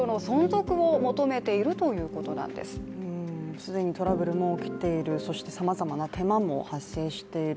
既にトラブルも起きている、そしてさまざまな手間も発生している。